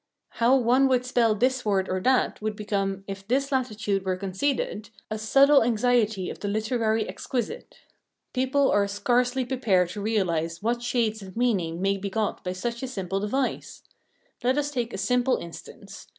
How one would spell this word or that would become, if this latitude were conceded, a subtle anxiety of the literary exquisite. People are scarcely prepared to realise what shades of meaning may be got by such a simple device. Let us take a simple instance.